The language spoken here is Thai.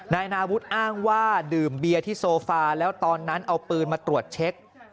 นายนาวุฒิอ้างว่าดื่มเบียร์ที่โซฟาแล้วตอนนั้นเอาปืนมาตรวจเช็ค